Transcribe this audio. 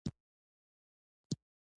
که څه هم غیرعاید لرونکي کسان بې وزله نه وي